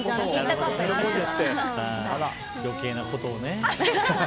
余計なことをね。